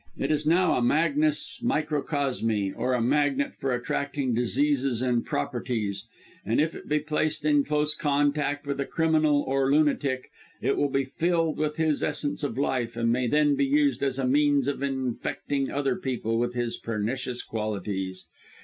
It is now a magnes microcosmi, or a magnet for attracting diseases and properties, and if it be placed in close contact with a criminal or lunatic, it will be filled with his essence of life, and may then be used as a means of infecting other people with his pernicious qualities.